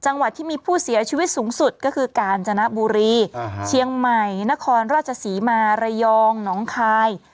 จังหวัดที่มีผู้เสียชีวิตสูงสุดก็คือกาญจนบุรีเชียงใหม่นครราชศรีมาระยองน้องคาย